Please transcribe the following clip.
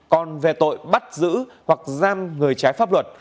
còn về tội bắt giữ hoặc giam người trái pháp luật